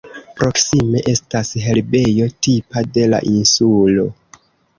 Proksime estas herbejo, tipa de la insulo.